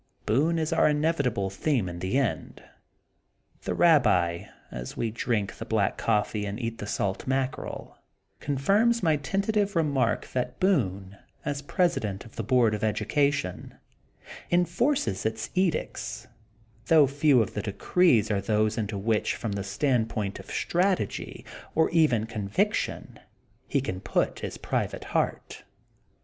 Boone is our inevitable theme in the end. The Rabbi, as we drink the black coffee and eat the salt mackerel, confirms my tentative remark that Boone, as president of the Board of Education, enforces its edicts, though few of the decrees are those into which from the standpoint of strategy, or even conviction, he can put his private heart.